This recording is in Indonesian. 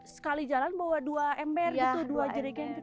sekali jalan bawa dua ember gitu dua jeriga yang kecil ini